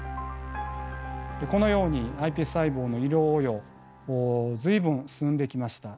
このようにｉＰＳ細胞の医療応用随分進んできました。